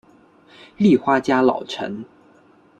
立花家老臣。